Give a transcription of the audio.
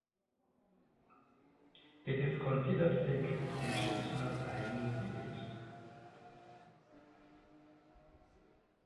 It is considered sacred in traditional Ainu beliefs.